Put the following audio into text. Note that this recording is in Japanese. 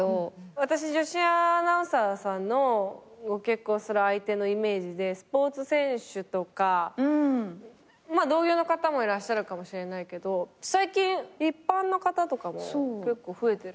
私女子アナウンサーさんのご結婚する相手のイメージでスポーツ選手とか同業の方もいらっしゃるかもしれないけど最近一般の方とかも増えてる？